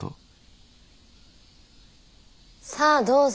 さあどうぞ。